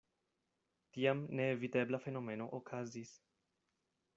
Tiam neevitebla fenomeno okazis.